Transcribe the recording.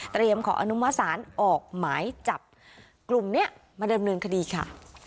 เตรียมขออนุมสารออกหมายจับกลุ่มเนี้ยมาเริ่มเริ่มคดีค่ะ